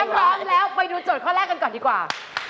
ถ้าพร้อมแล้วไปดูโจทย์ข้อแรกกันก่อนดีกว่า